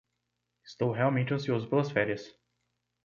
Estou realmente ansioso pelas férias.